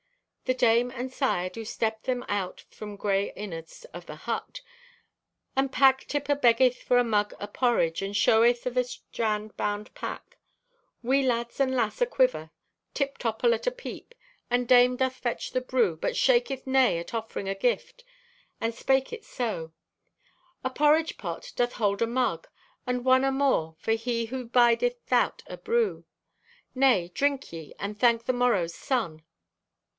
"The dame and sire do step them out from gray innards o' the hut, and pack tipper beggeth for a mug o' porridge, and showeth o' the strand bound pack. Wee lads and lass aquiver, tip topple at a peep, and dame doth fetch the brew, but shaketh nay at offering o' gift, and spake it so: 'A porridge pot doth hold a mug, and one amore for he who bideth 'thout a brew. Nay, drink ye, and thank the morrow's sun.